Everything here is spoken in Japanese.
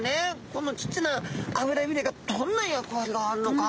このちっちゃな脂びれがどんな役割があるのか。